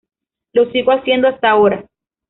Lo sigo haciendo hasta ahora.